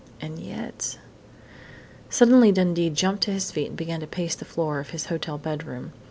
And yet Suddenly Dundee jumped to his feet and began to pace the floor of his hotel bedroom.